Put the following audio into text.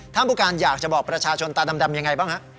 ผู้การอยากจะบอกประชาชนตาดำยังไงบ้างฮะ